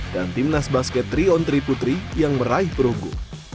dan tim nas basket tiga on tiga putri yang meraih perunggu